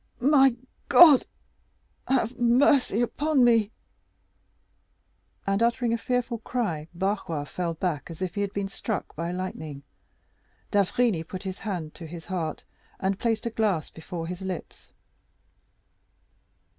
"My God, have mercy upon me!" and, uttering a fearful cry, Barrois fell back as if he had been struck by lightning. D'Avrigny put his hand to his heart, and placed a glass before his lips.